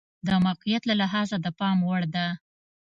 د موقعیت له لحاظه د پام وړ ده.